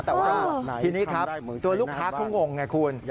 แต่ว่าทีนี้ครับตัวลูกค้าเขางงไงคุณ